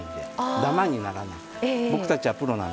ダマにならないので。